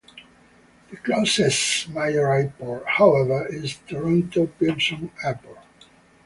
The closest major airport, however, is Toronto Pearson Airport.